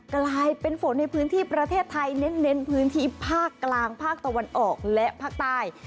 กลายเป็นฝนในพื้นที่ประเทศไทยเน้นพื้นที่ภาคกลางภาคตะวันออกและภาคใต้